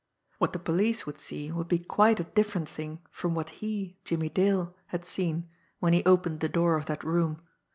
What the police would see would be quite a different thing from what he, Jimmie Dale, had seen when he opened the door of that room!